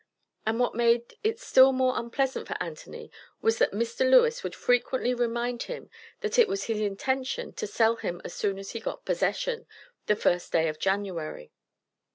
And what made it still more unpleasant for Anthony was that Mr. Lewis would frequently remind him that it was his intention to "sell him as soon as he got possession the first day of January."